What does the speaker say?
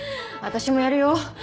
私もやるよ